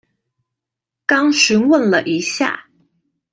剛詢問了一下